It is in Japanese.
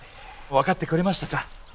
分かってくれましたか？